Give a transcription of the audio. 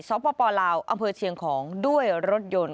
สปลาวอำเภอเชียงของด้วยรถยนต์